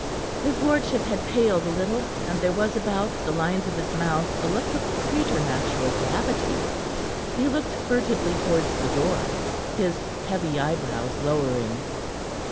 His lordship had paled a little, and there was about the lines of his mouth a look of preternatural gravity. He looked furtively towards the door, his heavy eyebrows lowering.